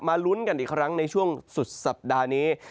ลุ้นกันอีกครั้งในช่วงสุดสัปดาห์นี้